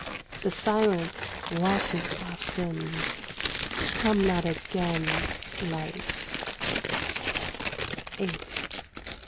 The silence washes off sins : Come not again. Light